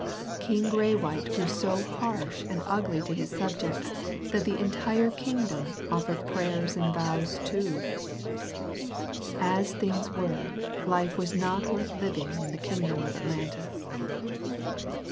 King Graywhite grew so harsh and ugly to his subjects that the entire kingdom offered prayers and vows, too. As things were, life was not worth living in the kingdom of Atlantis.